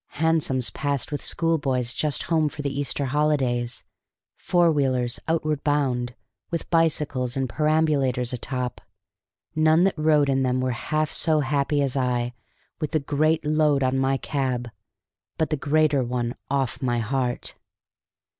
Hansoms passed with schoolboys just home for the Easter holidays, four wheelers outward bound, with bicycles and perambulators atop; none that rode in them were half so happy as I, with the great load on my cab, but the greater one off my heart.